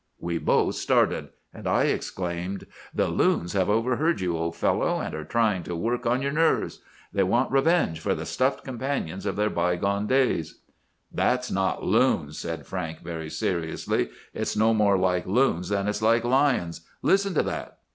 "We both started; and I exclaimed, 'The loons have overheard you, old fellow, and are trying to work on your nerves! They want revenge for the stuffed companions of their bygone days.' "'That's not loons!' said Frank very seriously. 'It's no more like loons than it's like lions! Listen to that!